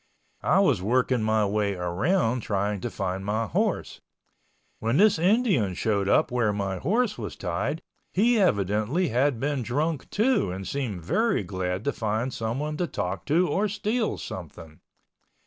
I was working my way around trying to find my horse. When this Indian showed up where my horse was tied, he evidently had been drunk too and seemed very glad to find someone to talk to or steal something.